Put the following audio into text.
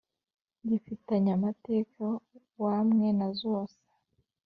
Gifitanye amateka wamwe na zozose